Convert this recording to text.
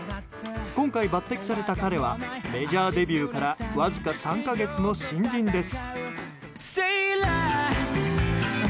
今回抜擢された彼はメジャーデビューからわずか３か月の新人です。